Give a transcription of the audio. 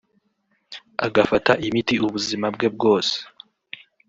agafata imiti ubuzima bwe bwose